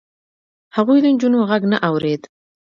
هغوی د نجونو غږ نه اورېد.